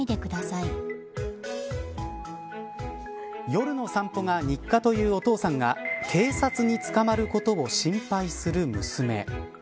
夜の散歩が日課というお父さんが警察に捕まることを心配する娘。